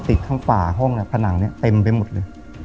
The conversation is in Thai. ติดทั้งฝาห้องผนังเต็มไปหมดเลย